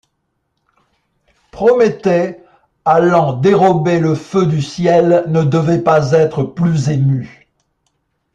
Prométhée allant dérober le feu du ciel ne devait pas être plus ému!